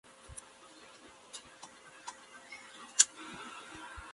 Es mejor irse del país que luchar aquí, piensan algunos.